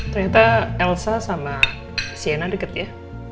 ternyata elsa sama siena deket ya